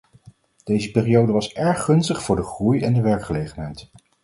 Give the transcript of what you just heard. Deze periode was erg gunstig voor de groei en de werkgelegenheid.